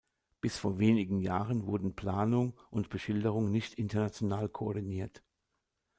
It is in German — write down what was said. Bis vor wenigen Jahren wurden Planung und Beschilderung nicht international koordiniert.